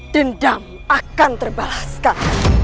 dendam akan terbalaskan